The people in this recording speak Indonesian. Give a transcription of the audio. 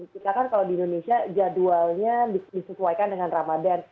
kita kan kalau di indonesia jadwalnya disesuaikan dengan ramadan